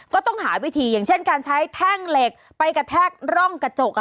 ก็ต้องหาวิธีอย่างเช่นการใช้แท่งเหล็กไปกระแทกร่องกระจก